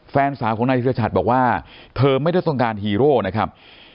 แฟนสาวของนายธิรชัดบอกว่าเธอไม่ได้ต้องการฮีโร่นะครับ